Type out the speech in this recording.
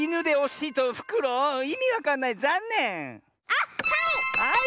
あっはい！